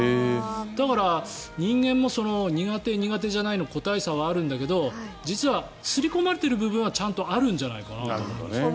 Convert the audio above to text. だから、人間も苦手苦手じゃないの個体差はあるんだけど実は、刷り込まれてる部分はちゃんとあるんじゃないかなと。